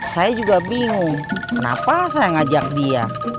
saya juga bingung kenapa saya ngajak dia